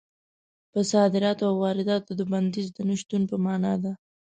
په صادراتو او وارداتو د بندیز د نه شتون په مانا ده.